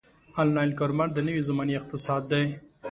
انلاین کاروبار د نوې زمانې اقتصاد دی.